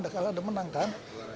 ada kalah ada menang kan